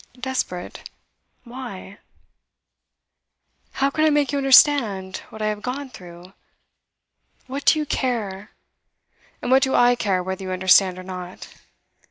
'Desperate? Why?' 'How can I make you understand what I have gone through? What do you care? And what do I care whether you understand or not?